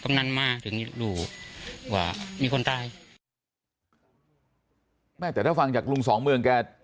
ำนันมาถึงรู้ว่ามีคนตายแม่แต่ถ้าฟังจากลุงสองเมืองแก